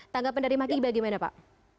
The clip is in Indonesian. tanggapan dari mak giba bagaimana pak